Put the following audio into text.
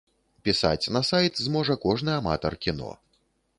Пісаць на сайт зможа кожны аматар кіно.